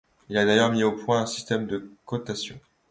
Il a d'ailleurs mis au point un système de cotation.